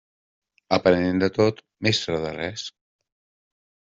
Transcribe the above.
Aprenent de tot, mestre de res.